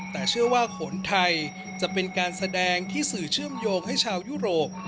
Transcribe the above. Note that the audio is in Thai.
แต่เชื่อว่าขนไทยจะเป็นการแสดงที่สื่อเชื่อมโยงให้ชาวยุโรป